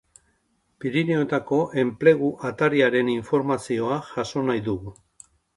Pirinioetako Enplegu Atariaren informazioa jaso nahi dugu.